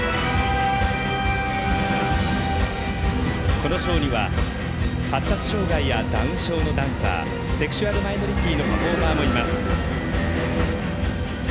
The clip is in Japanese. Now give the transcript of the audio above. このショーには発達障がいやダウン症のダンサーセクシュアルマイノリティーのパフォーマーもいます。